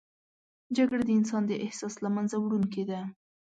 جګړه د انسان د احساس له منځه وړونکې ده